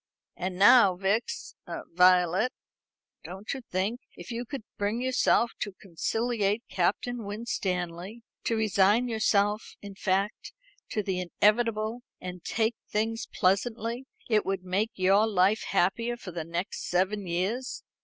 And now, Vix Violet, don't you think if you could bring yourself to conciliate Captain Winstanley to resign yourself, in fact, to the inevitable, and take things pleasantly, it would make your life happier for the next seven years?